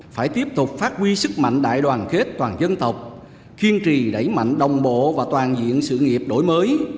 phải tiếp tục phát huy sức mạnh đại đoàn kết toàn dân tộc kiên trì đẩy mạnh đồng bộ và toàn diện sự nghiệp đổi mới